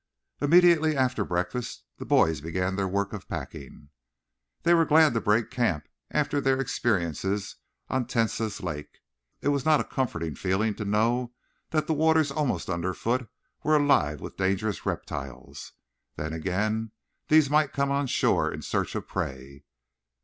Immediately after breakfast the boys began their work of packing. They were glad to break camp after their experiences on Tensas Lake. It was not a comforting feeling to know that the waters almost underfoot were alive with dangerous reptiles. Then again these might come on shore in search of prey.